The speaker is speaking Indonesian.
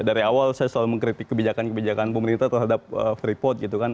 dari awal saya selalu mengkritik kebijakan kebijakan pemerintah terhadap freeport gitu kan